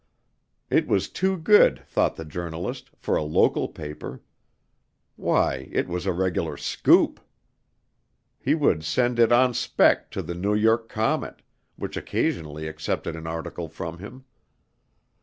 It was too good, thought the journalist, for a local paper. Why, it was a regular "scoop"! He would send it "on spec." to the New York Comet which occasionally accepted an article from him.